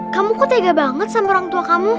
kamu kok tega banget sama orang tua kamu